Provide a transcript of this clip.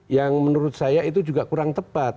yang menurut saya itu juga kurang tepat